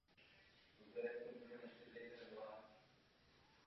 Domníváme se, že společná zemědělská politika by měla být zrušena.